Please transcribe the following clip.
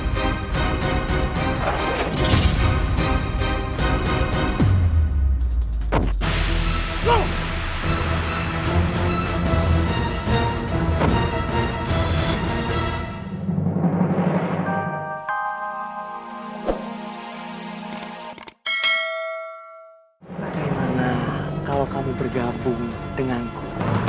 bagaimana kalau kamu bergabung denganku